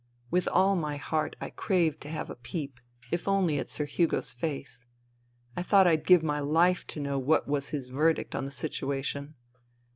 With all my heart I craved to have a peep, if only at Sir Hugo's face. I thought I'd give my life to know what was his verdict on the situation.